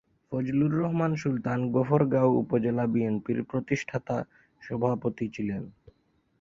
ফজলুর রহমান সুলতান গফরগাঁও উপজেলা বিএনপির প্রতিষ্ঠাতা সভাপতি ছিলেন।